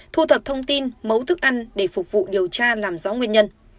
thu thập thông tin mẫu thức ăn để phục vụ điều tra làm rõ nguyên nhân